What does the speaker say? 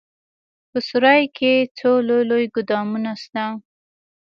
په سراى کښې څو لوى لوى ګودامونه سته.